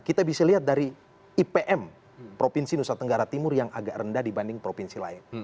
kita bisa lihat dari ipm provinsi nusa tenggara timur yang agak rendah dibanding provinsi lain